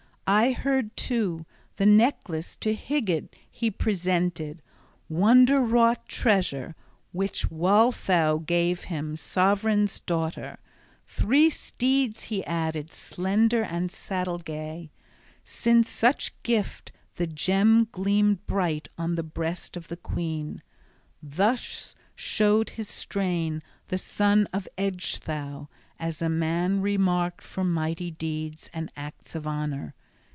I heard, too, the necklace to Hygd he presented, wonder wrought treasure, which Wealhtheow gave him sovran's daughter: three steeds he added, slender and saddle gay. Since such gift the gem gleamed bright on the breast of the queen. Thus showed his strain the son of Ecgtheow as a man remarked for mighty deeds and acts of honor.